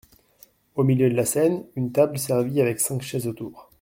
Au milieu de la scène, une table servie avec cinq chaises autour.